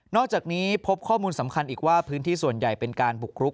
อกจากนี้พบข้อมูลสำคัญอีกว่าพื้นที่ส่วนใหญ่เป็นการบุกรุก